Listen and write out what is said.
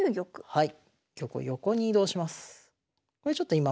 はい。